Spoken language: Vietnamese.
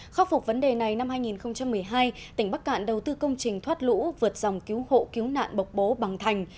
khắc phục vấn đề này năm hai nghìn một mươi hai tỉnh bắc cạn đầu tư công trình thoát lũ vượt dòng cứu hộ cứu nạn bộc bố bằng thành